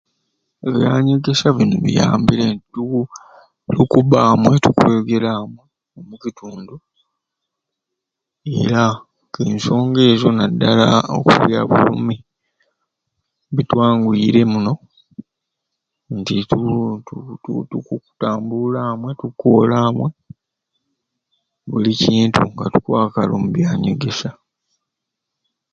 Ebyanyegesya bikoore kusai okumalawo obuseege, iii kubanga oli mulimisya olina kukoora kuninaba nga nkulima nkulonda ekirime ekyo kyenyini ekikwaaba okunjuna okuokusoma omwogo ki, mmere ki, nsigo ki, mubazi ki, kijumusa ki, ekyenkwaba okkolesya okwo kusoma nikwo kumaalewo obworo